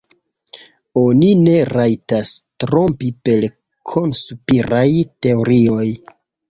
Oni ne rajtas trompi per konspiraj teorioj.